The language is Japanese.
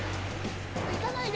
行かないで。